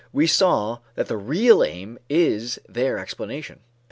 We saw that the real aim is their explanation.